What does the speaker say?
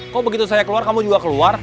kok begitu saya keluar kamu juga keluar